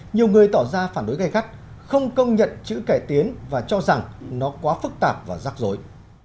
nhiều người tỏ ra phản đối gây gắt không công nhận chữ cải tiến và cho rằng nó quá phức tạp và rắc rối